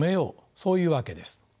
そういうわけです。